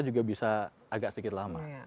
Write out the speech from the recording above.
juga bisa agak sedikit lama